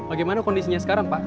bagaimana kondisinya sekarang pak